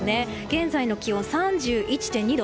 現在の気温３１．２度。